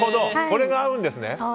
これが合うんですね。